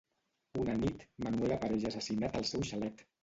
Una nit, Manuel apareix assassinat al seu xalet.